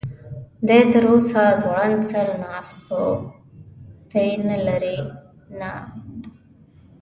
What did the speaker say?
دی تراوسه ځوړند سر ناست و، ته یې نه لرې؟ نه.